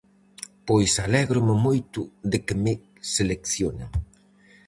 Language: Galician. Pois alégrome moito de que me seleccionen.